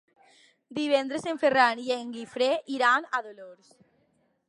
Divendres en Ferran i en Guifré iran a Dolors.